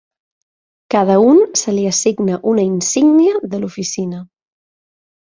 Cada un se li assigna una insígnia de l'oficina.